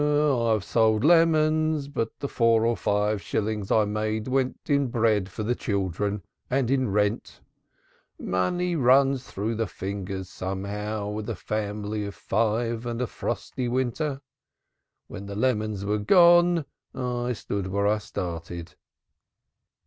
"I have sold lemons, but the four or five shillings I made went in bread for the children and in rent. Money runs through the fingers somehow, with a family of five and a frosty winter. When the lemons were gone I stood where I started."